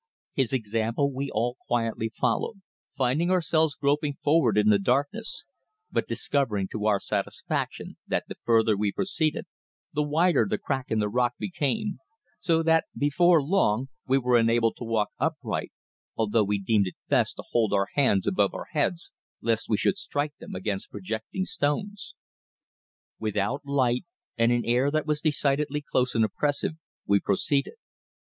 His example we all quietly followed, finding ourselves groping forward in the darkness, but discovering to our satisfaction that the further we proceeded the wider the crack in the rock became, so that before long we were enabled to walk upright, although we deemed it best to hold our hands above our heads lest we should strike them against any projecting stones. Without light, and in air that was decidedly close and oppressive, we proceeded.